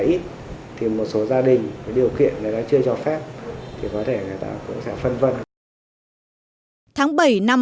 nếu mà là ít thì một số gia đình điều kiện này đã chưa cho phép thì có thể người ta cũng sẽ phân vân